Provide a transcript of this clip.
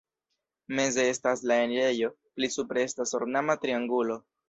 Meze estas la enirejo, pli supre estas ornama triangulo.